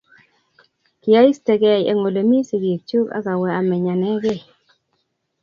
kiya ista ge eng' ole mi sigik chuk ak awe a meny anegee